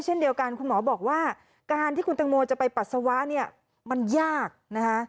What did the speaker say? เช่นเดียวกันคุณหมอบอกว่าการที่คุณตังโมจะไปปัสสาวะเนี่ยมันยากนะคะ